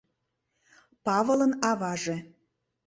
Павылын аваже...